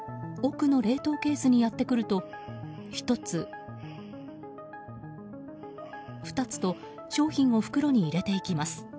奥の冷凍ケースにやってくると１つ、２つと商品を袋に入れていきます。